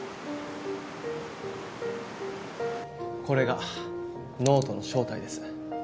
これがノートの正体です。